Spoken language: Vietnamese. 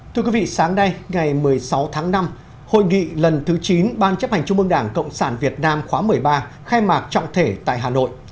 thưa quý vị sáng nay ngày một mươi sáu tháng năm hội nghị lần thứ chín ban chấp hành trung mương đảng cộng sản việt nam khóa một mươi ba khai mạc trọng thể tại hà nội